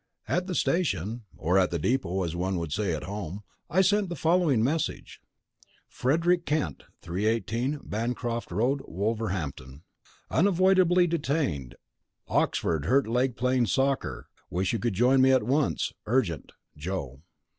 At the station (or at the depot as one would say at home), I sent the following message: FREDERICK KENT, 318, Bancroft Road, WOLVERHAMPTON. Unavoidably detained Oxford hurt leg playing soccer wish you could join me at once urgent. JOE.